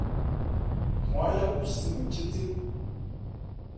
Hɔn áyákhu se mɛn ché thé.